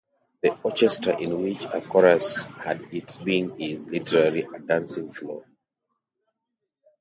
The 'orchestra', in which a chorus had its being, is literally a 'dancing floor'.